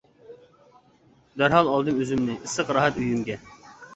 دەرھال ئالدىم ئۆزۈمنى، ئىسسىق راھەت ئۆيۈمگە.